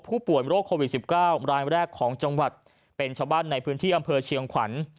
ผู้ป่วยโรคโควิด๑๙รายแรกของจังหวัดเป็นชาวบ้านในพื้นที่อำเภอเชียงขวัญ